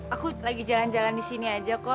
aku lagi jalan jalan di sini aja kok